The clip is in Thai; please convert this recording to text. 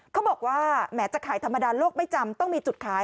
เขาบอกว่าแหมจะขายธรรมดาโลกไม่จำต้องมีจุดขาย